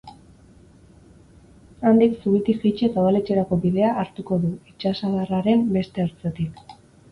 Handik, zubitik jaitsi eta udaletxerako bidea hartuko du, itsasadarraren beste ertzetik.